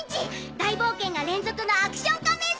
大冒険が連続の『アクション仮面スペシャル』！